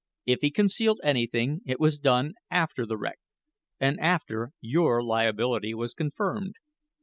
If he concealed anything it was done after the wreck, and after your liability was confirmed.